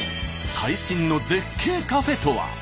最新の絶景カフェとは？